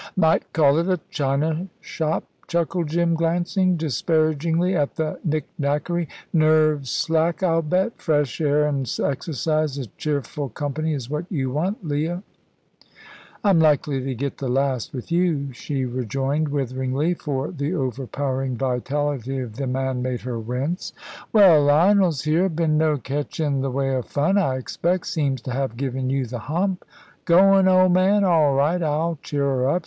"Might call it a china shop," chuckled Jim, glancing disparagingly at the nicknackery. "Nerves slack, I'll bet. Fresh air an' exercise an' cheerful company is what you want, Leah." "I'm likely to get the last, with you," she rejoined witheringly, for the overpowering vitality of the man made her wince. "Well, Lionel here's been no catch in th' way of fun, I expect. Seems to have given you the hump. Goin', old man? All right! I'll cheer her up.